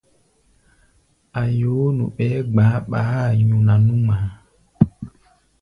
A̧ yoó nu, ɓɛɛ́ gba̧á̧ ɓaá-a nyuna nú ŋmaa.